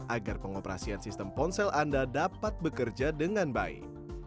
agar pengoperasian sistem ponsel anda dapat bekerja dengan baik